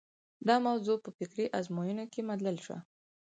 دا موضوع په فکري ازموینو کې مدلل شوه.